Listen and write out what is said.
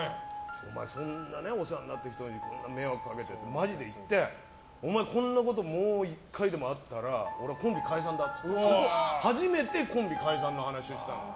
お前そんなお世話になってる人に迷惑かけてって、マジで言ってお前、こんなこともう１回でもあったら俺はコンビ解散だって初めてコンビ解散の話したの。